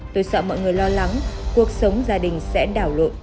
tôi sợ mọi người lo lắng cuộc sống gia đình sẽ đảo lộn